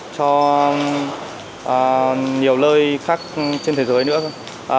cho nhiều nơi khác trên thế giới nữa